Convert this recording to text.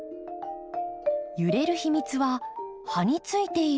揺れる秘密は葉についている